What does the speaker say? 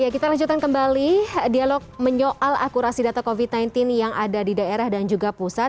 kita lanjutkan kembali dialog menyoal akurasi data covid sembilan belas yang ada di daerah dan juga pusat